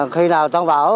khi nào tăng bão